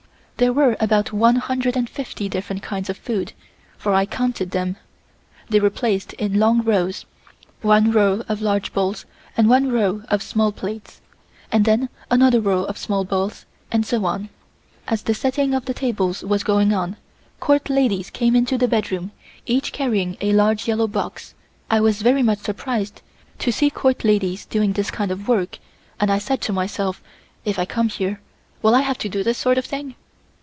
There were about one hundred and fifty different kinds of food, for I counted them. They were placed in long rows, one row of large bowls and one row of small plates, and then another row of small bowls, and so on. As the setting of the tables was going on, two Court ladies came into the bedroom, each carrying a large yellow box. I was very much surprised to see Court ladies doing this kind of work and I said to myself, if I come here will I have to do this sort of thing?